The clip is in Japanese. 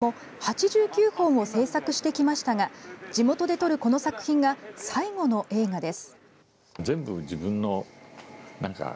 これまで長編だけでも８９本を制作してきましたが地元で撮るこの作品が最後の映画です。